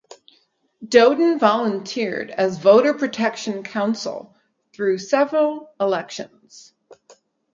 Dodin volunteered as voter protection counsel through several elections.